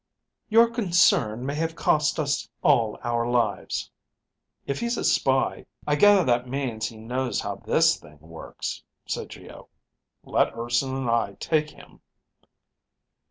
"Your concern may have cost us all our lives." "If he's a spy, I gather that means he knows how this thing works," said Geo. "Let Urson and I take him